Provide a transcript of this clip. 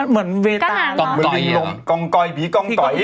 มึงมิกลงก๋อร์ไนฟรีกองโกย